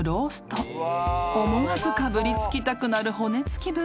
［思わずかぶりつきたくなる骨付き部分］